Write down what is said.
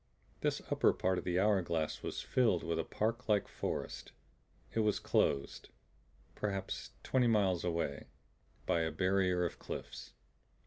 This upper part of the hour glass was filled with a park like forest. It was closed, perhaps twenty miles away, by a barrier of cliffs.